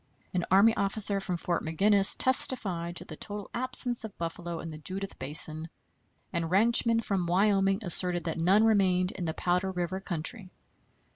An army officer from Fort Maginnis testified to the total absence of buffalo in the Judith Basin, and ranchmen from Wyoming asserted that none remained in the Powder River country.